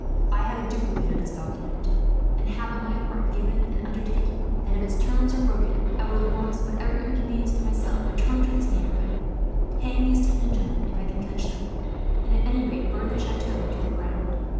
I have a duplicate of this document; and have, on my part, given an undertaking that, if its terms are broken I will, at whatever inconvenience to myself, return to this neighbourhood, hang these ten gentlemen if I can catch them, and at any rate burn their chateaux to the ground.